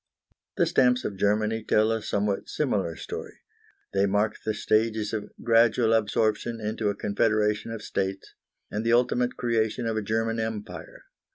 The stamps of Germany tell a somewhat similar story. They mark the stages of gradual absorption into a confederation of states, and the ultimate creation of a German Empire.